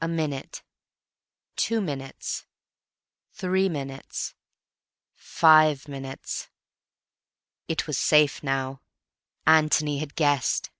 A minute, two minutes, three minutes.... five minutes. It was safe now. Antony had guessed.